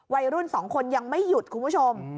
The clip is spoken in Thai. วัยรุ่น๒คนยังไม่หยุดคุณผู้ชม